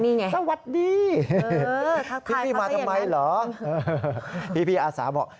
นี่ไงสวัสดีพี่มาทำไมเหรอพี่อาสาบอก